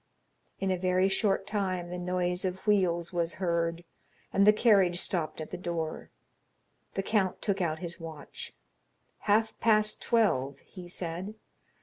In a very short time the noise of wheels was heard, and the carriage stopped at the door. The count took out his watch. "Half past twelve," he said.